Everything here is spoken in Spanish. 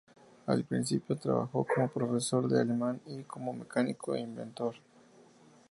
Al principio, trabajó como profesor de alemán y como mecánico inventor.